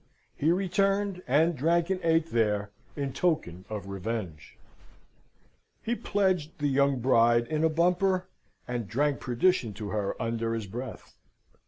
He returned, and drank and ate there in token of revenge. He pledged the young bride in a bumper, and drank perdition to her under his breath.